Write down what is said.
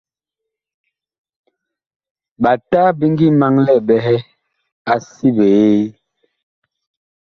Ɓata bi ngi maŋlɛɛ ɓɛhɛ a si biee.